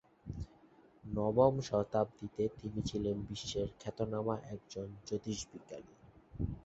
নবম শতাব্দীতে তিনি ছিলেন বিশ্বের খ্যাতনামা একজন জ্যোতির্বিজ্ঞানী।